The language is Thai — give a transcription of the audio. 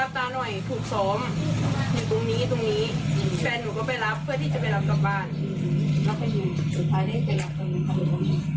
แล้วเขาก็วนกลับไปที่หน้าบ้านผู้ชายคนนั้นอีก